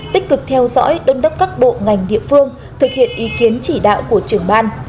tích cực theo dõi đôn đốc các bộ ngành địa phương thực hiện ý kiến chỉ đạo của trưởng ban